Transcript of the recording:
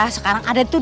maka dia kalau despert